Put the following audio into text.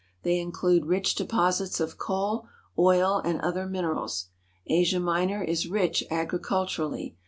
They include rich deposits of coal, oil, and other minerals. Asia Minor is rich agriculturally.